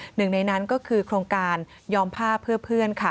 หนึ่งในนั้นก็คือโครงการยอมผ้าเพื่อเพื่อนค่ะ